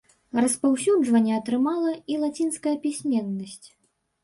Распаўсюджванне атрымала і лацінская пісьменнасць.